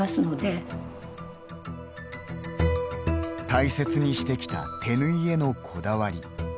大切にしてきた手縫いへのこだわり。